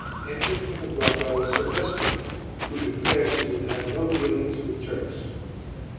Enter, from the grotto, Silvestro who declares he will have no dealings with Turks.